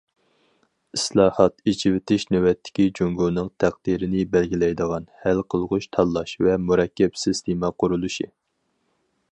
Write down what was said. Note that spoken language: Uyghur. ئىسلاھات، ئېچىۋېتىش نۆۋەتتىكى جۇڭگونىڭ تەقدىرىنى بەلگىلەيدىغان ھەل قىلغۇچ تاللاش ۋە مۇرەككەپ سىستېما قۇرۇلۇشى.